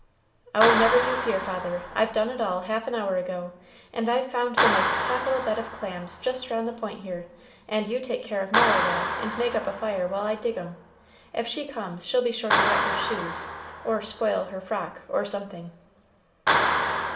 "Oh, never you fear, father, I've done it all half an hour ago, and I've found the most capital bed of clams just round the point here; and you take care of Mara there, and make up a fire while I dig 'em. If she comes, she'll be sure to wet her shoes, or spoil her frock, or something."